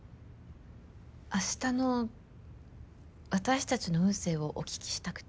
明日の私たちの運勢をお聞きしたくて。